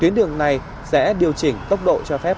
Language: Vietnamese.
tuyến đường này sẽ điều chỉnh tốc độ cho phép